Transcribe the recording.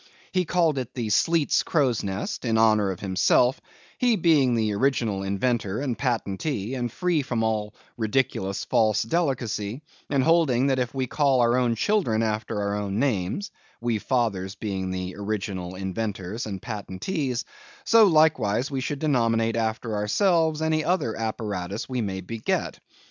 He called it the Sleet's crow's nest, in honor of himself; he being the original inventor and patentee, and free from all ridiculous false delicacy, and holding that if we call our own children after our own names (we fathers being the original inventors and patentees), so likewise should we denominate after ourselves any other apparatus we may beget.